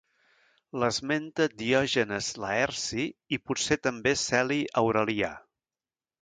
L'esmenta Diògenes Laerci i potser també Celi Aurelià.